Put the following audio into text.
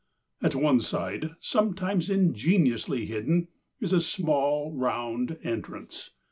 At one side, sometimes ingeniously hidden, is a small round entrance.